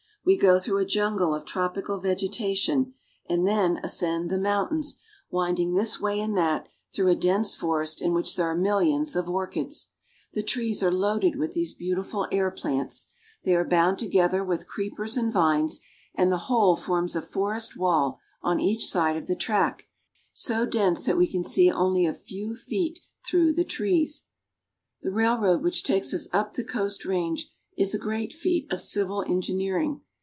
We go through a jungle of tropical vegetation, and then ascend the moun 254 BRAZIL. tains, winding this way and that through a dense forest in which there are miUions of orchids. The trees are loaded with these beautiful air plants. They are bound to gether with creepers and vines, and the whole forms a for est wall on each side of the track, so dense that we can see only a few feet through the trees. "A great feat of civil engineering." The railroad which takes us up the coast range is a great feat of civil engineering.